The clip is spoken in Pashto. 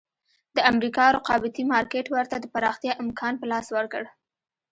د امریکا رقابتي مارکېټ ورته د پراختیا امکان په لاس ورکړ.